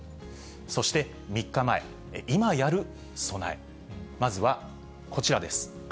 そして３日前、今やる備え、まずはこちらです。